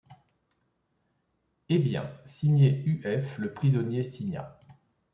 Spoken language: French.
Eh bien, signez U. F. Le prisonnier signa.